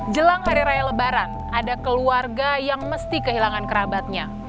jelang hari raya lebaran ada keluarga yang mesti kehilangan kerabatnya